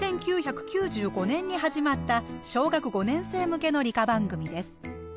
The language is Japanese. １９９５年に始まった小学５年生向けの理科番組です。